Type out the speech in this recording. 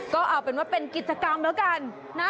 ก็เอาเป็นว่าเป็นกิจกรรมแล้วกันนะ